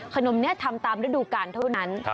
ขนมเนี่ยทำตามระดูกการเท่านั้น